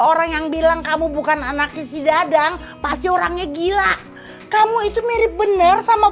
orang yang bilang kamu bukan anaknya si dadang pasti orangnya gila kamu itu mirip bener sama